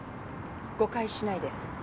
誤解しないで。